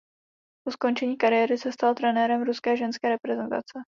Po ukončení kariéry se stal trenérem ruské ženské reprezentace.